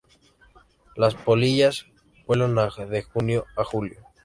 Las polillas vuelan de junio a julio.